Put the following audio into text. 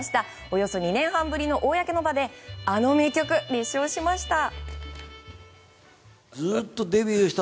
およそ２年半ぶりの公の場であの名曲を熱唱しました。